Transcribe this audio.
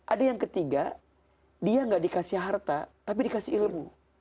ada yang ketiga dia nggak dikasih harta tapi dikasih ilmu